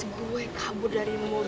pas gue kabur dari rio cs